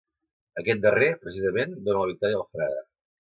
Aquest darrer, precisament, dóna la victòria al frare.